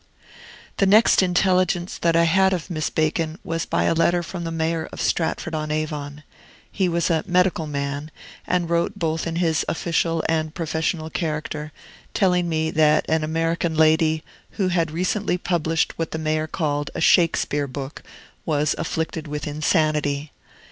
The next intelligence that I had of Miss Bacon was by a letter from the mayor of Stratford on Avon. He was a medical man, and wrote both in his official and professional character, telling me that an American lady, who had recently published what the mayor called a "Shakespeare book," was afflicted with insanity.